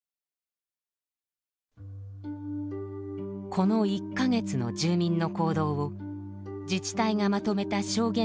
この１か月の住民の行動を自治体がまとめた証言集などから分析。